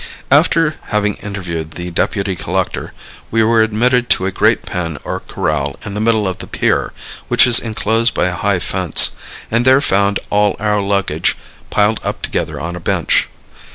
After having interviewed the deputy collector, we were admitted to a great pen or corral in the middle of the pier, which is inclosed by a high fence, and there found all our luggage piled up together on a bench.